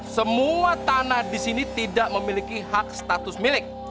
semua tanah disini tidak memiliki hak status milik